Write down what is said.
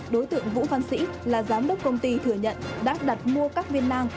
đối tượng vũ văn sĩ là giám đốc công ty thừa nhận đã đặt mua các viên nang